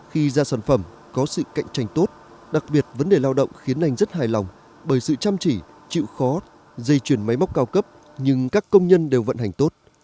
khi ra sản phẩm có sự cạnh tranh tốt đặc biệt vấn đề lao động khiến anh rất hài lòng bởi sự chăm chỉ chịu khó dây chuyển máy móc cao cấp nhưng các công nhân đều vận hành tốt